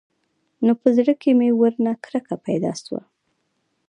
نو په زړه کښې مې ورنه کرکه پيدا سوه.